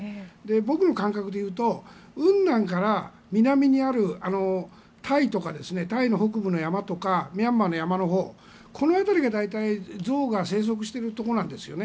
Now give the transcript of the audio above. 僕の感覚でいうと雲南から南にあるタイとかタイの北部の山とかミャンマーの山のほうこの辺りが大体、象が生息しているところなんですね。